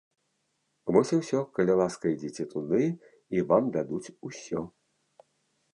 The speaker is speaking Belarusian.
Вось і ўсё, калі ласка, ідзіце туды і вам дадуць усё!